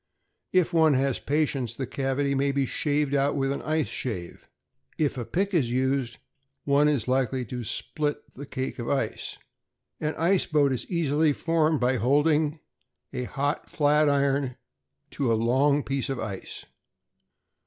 If one has patience, the cavity may be shaved out with an ice shave; if a pick is used, one is likely to split the cake of ice. An ice boat is easily formed by holding a hot flat iron to a long piece of ice.